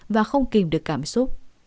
và không kìm được cảm xúc